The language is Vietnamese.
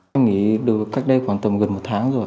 em nghĩ được cách đây khoảng tầm gần một tháng rồi